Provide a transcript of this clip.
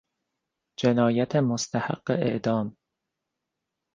جنایت مستحق اعدام